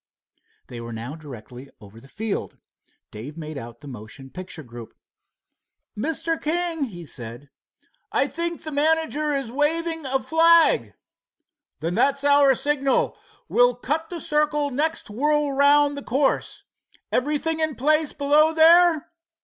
They were now directly over the field. Dave made out the motion picture group. "Mr. King," he said, "I think the manager is waving a flag." "Then it's our signal. We'll cut the circle next whirl around the course. Everything in place below there?"